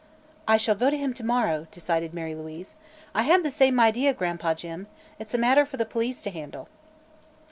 "I shall go to him to morrow," decided Mary Louise. "I had the same idea, Gran'pa Jim; it's a matter for the police to handle."